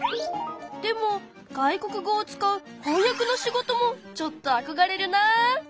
でも外国語を使う翻訳の仕事もちょっとあこがれるなあ。